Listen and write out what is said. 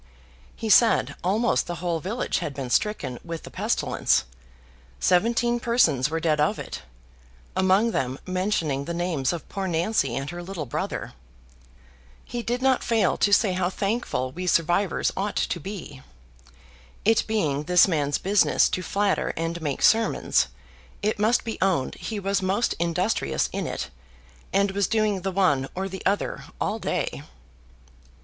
He said almost the whole village had been stricken with the pestilence; seventeen persons were dead of it, among them mentioning the names of poor Nancy and her little brother. He did not fail to say how thankful we survivors ought to be. It being this man's business to flatter and make sermons, it must be owned he was most industrious in it, and was doing the one or the other all day.